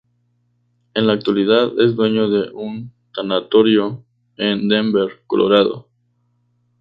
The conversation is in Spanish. En la actualidad es dueño de un tanatorio en Denver, Colorado.